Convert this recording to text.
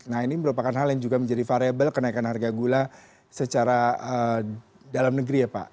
nah ini merupakan hal yang juga menjadi variable kenaikan harga gula secara dalam negeri ya pak